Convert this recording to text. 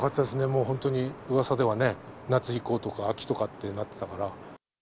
うわさではね、夏以降とか秋とかってなってたから。